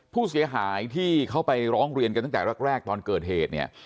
ผู้เสียหายที่เขาไปร้องเรียนกันตั้งแต่แรกตอนเกิดเหตุเนี่ย